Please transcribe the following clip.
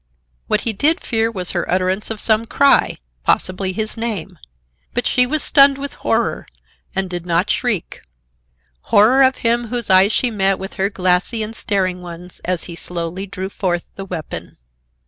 What he did fear was her utterance of some cry,—possibly his name. But she was stunned with horror, and did not shriek,—horror of him whose eyes she met with her glassy and staring ones as he slowly drew forth the weapon.